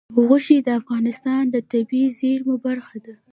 غوښې د افغانستان د طبیعي زیرمو برخه ده.